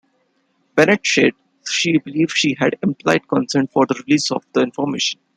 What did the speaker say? Bennett said she believed she had "implied consent" for the release of the information.